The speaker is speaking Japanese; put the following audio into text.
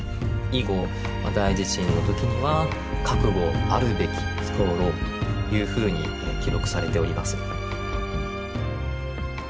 以後大地震のときには覚悟あるべき候というふうに記録されております。